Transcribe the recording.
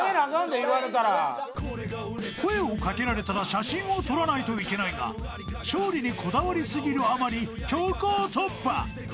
［声を掛けられたら写真を撮らないといけないが勝利にこだわり過ぎるあまり強行突破］